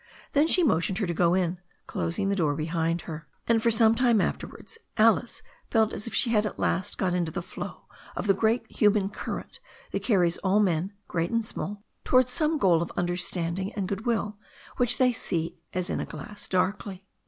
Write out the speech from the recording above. Then she motioned her to go in, closing the door behind her. And for some time afterwards Alice felt as if she had at last got into the flow of the great human current that carries all men, great and small, towards some goal of understanding and goodwill which they see as in a glass darkly.